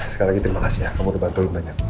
sekali lagi terima kasih ya kamu udah bantuin banyak